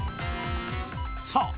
さあ